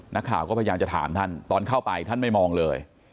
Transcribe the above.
นักข่าวก็พยายามจะถามท่านตอนเข้าไปท่านไม่มองเลย